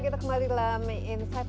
kita kembali dalam insight